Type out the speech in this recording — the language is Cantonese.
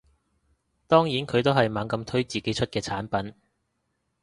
當然佢都係猛咁推自己出嘅產品